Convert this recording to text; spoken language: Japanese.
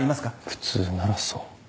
普通ならそう。